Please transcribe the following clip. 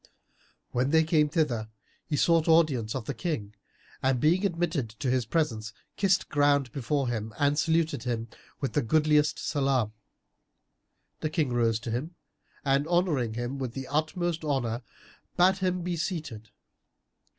When they came thither, he sought audience of the King and being admitted to his presence, kissed ground before him and saluted him with the goodliest Salam. The King rose to him and honouring him with the utmost honour, bade him be seated.